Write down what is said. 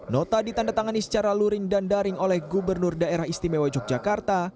nota ditandatangani secara luring dan daring oleh gubernur daerah istimewa yogyakarta